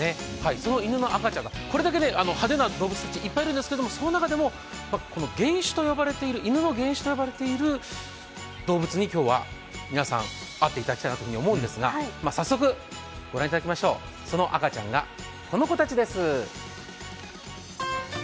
その犬の赤ちゃんが、派手な動物っていっぱいいるんですけどその中でも犬の原種と呼ばれている犬に今日は会っていただきたいと思うんですが、早速、御覧いただきましょう、その赤ちゃんがこの子たちです。